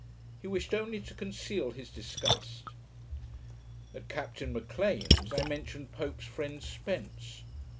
He wished only to conceal his disgust. At Captain M'Lean's, I mentioned Pope's friend, Spence.